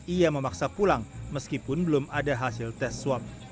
ia memaksa pulang meskipun belum ada hasil tes swab